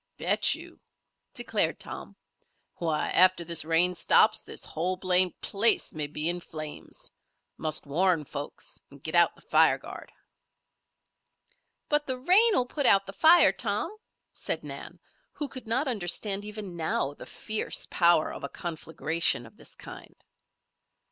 "Bet you!" declared Tom. "Why, after this rain stops, this whole blamed place may be in flames. Must warn folks and get out the fire guard." "But the rain will put out the fire, Tom," said Nan, who could not understand even now the fierce power of a conflagration of this kind.